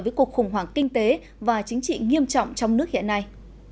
với cuộc khủng hoảng kinh tế và chính trị nghiêm trọng trong nước hiện nay